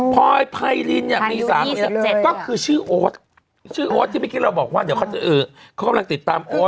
พอยไพรินเนี่ยมีสามีก็คือชื่อโอ๊ตชื่อโอ๊ตที่เมื่อกี้เราบอกว่าเดี๋ยวเขากำลังติดตามโอ๊ต